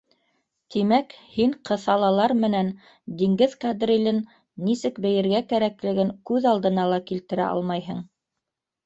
— Тимәк, һин ҡыҫалалар менән диңгеҙ кадрилен нисек бейергә кәрәклеген күҙ алдына ла килтерә алмайһың.